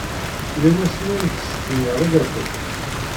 Yella wasmi ay testenyaḍ agatu?